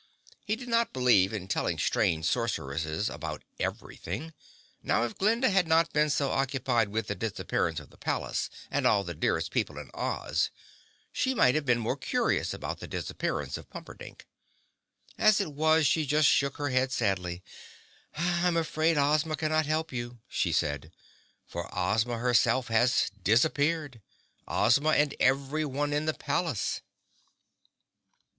He did not believe in telling strange Sorceresses about everything. Now if Glinda had not been so occupied with the disappearance of the palace and all the dearest people in Oz, she might have been more curious about the disappearance of Pumperdink. As it was she just shook her head sadly. "I'm afraid Ozma cannot help you," she said, "for Ozma herself has disappeared—Ozma and everyone in the palace."